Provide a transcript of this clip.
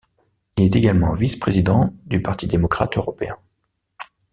Il est également vice-président du Parti démocrate européen.